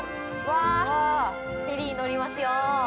フェリー乗りますよ。